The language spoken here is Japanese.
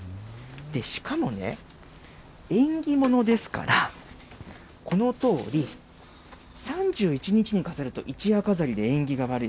しかもね、縁起物ですから、このとおり、３１日に飾ると一夜飾りで縁起が悪い。